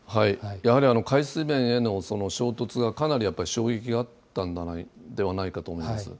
やはり海水面への衝突がかなりやっぱり衝撃があったんではないかと思います。